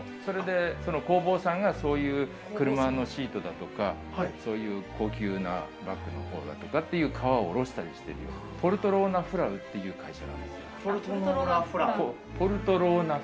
それで工房さんがそういう車のシートだとか、そういう高級なバッグのほうだとか、革をおろしたりしてる、ポルトローナ・フラウっていう会社。